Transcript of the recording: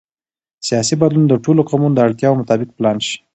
سیاسي بدلون د ټولو قومونو د اړتیاوو مطابق پلان شي